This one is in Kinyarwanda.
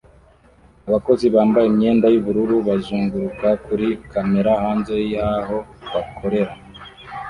Abakozi bambaye imyenda yubururu bazunguruka kuri kamera hanze y aho bakorera